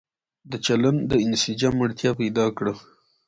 د چلن د انسجام اړتيا پيدا کړه